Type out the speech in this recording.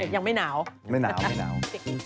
ยังไม่หนาวไม่หนาว